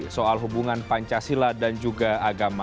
soal hubungan pancasila dan juga agama